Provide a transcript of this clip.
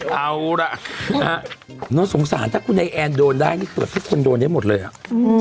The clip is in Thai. เอาล่ะสงสารถ้าคุณไอแอนโดนได้นี่เกือบทุกคนโดนได้หมดเลยอ่ะ